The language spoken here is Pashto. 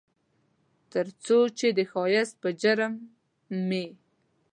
ترڅو چې د ښایست په جرم مې